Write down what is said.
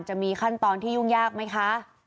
จะมีขั้นตอนที่ยุ่งยากไหมคะ